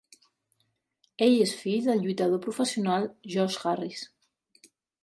Ell és el fill del lluitador professional George Harris.